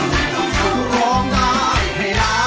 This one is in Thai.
ได้ครับ